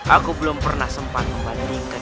aku belum pernah sempat membandingkan